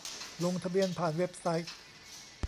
ลงทะเบียนผ่านเว็บไซต์